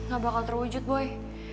gak bakal terwujud boy